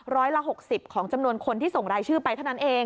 ร้อยละ๖๐ของจำนวนคนที่ส่งรายชื่อไปเท่านั้นเอง